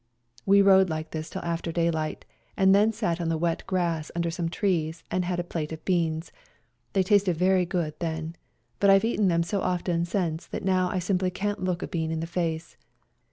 We rode like this till after daylight, and then sat on the wet grass under some trees and had a plate of beans ; they tasted very good then, but I've eaten them so often since that now I simply can't look a bean in the face.